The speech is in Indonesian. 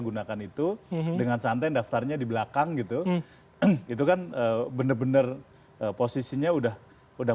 gunakan itu dengan santai daftarnya di belakang gitu itu kan bener bener posisinya udah udah